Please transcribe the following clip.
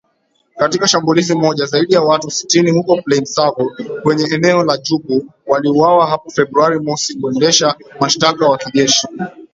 Katika shambulizi moja, zaidi ya watu sitini huko Plaine Savo kwenye eneo la Djubu waliuawa hapo Februari mosi mwendesha mashtaka wa kijeshi